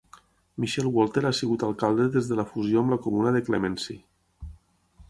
Michel Wolter ha sigut alcalde des de la fusió amb la comuna de Clemency.